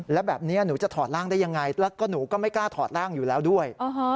แล้วแบบนี้หนูจะถอดร่างได้ยังไงแล้วก็หนูก็ไม่กล้าถอดร่างอยู่แล้วด้วย